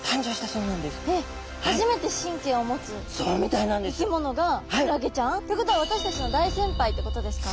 えっ初めて神経を持つ生き物がクラゲちゃん。ってことは私たちの大先輩ってことですか？